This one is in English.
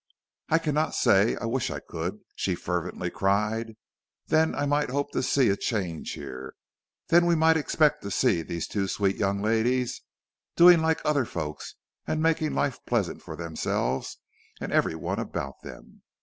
"I cannot say I wish I could," she fervently cried; "then I might hope to see a change here; then we might expect to see these two sweet young ladies doing like other folks and making life pleasant for themselves and every one about them.